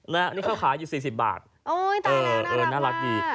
แล้วนี่เข้าขายอยู่๔๐บาทน่ารักดีอุ๊ยตายแล้วน่ารักมาก